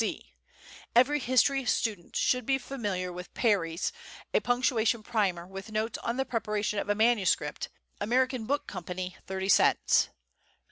C. Every history student should be familiar with Perry's "A Punctuation Primer, with Notes on the Preparation of Manuscript." Am. Book Co. Thirty cents.